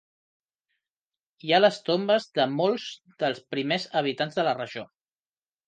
Hi ha les tombes de molts dels primers habitants de la regió.